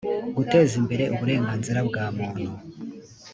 guteza imbere uburenganzira bwa muntu